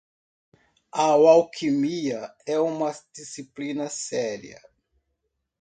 A alquimia é uma disciplina séria.